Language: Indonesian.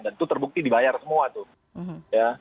dan itu terbukti dibayar semua tuh